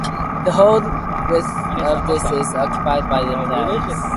The whole width of this is occupied by the palace.